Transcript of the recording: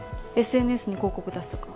ＳＮＳに広告出すとか。